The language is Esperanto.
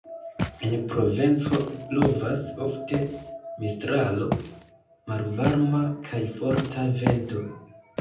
En Provenco blovas ofte Mistralo, malvarma kaj forta vento.